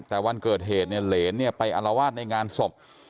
แต่วันเกิดเหตุเนี่ยเหรนเนี่ยไปอลวาดในงานศพ